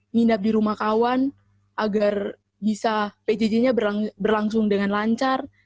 nginap di rumah kawan agar bisa pjj nya berlangsung dengan lancar